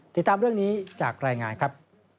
ติดตามเรื่องนี้จากรายงานครับ